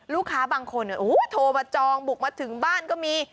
ลูกค้าบางคนโทรมาจองบุกมาถึงบ้านก็มี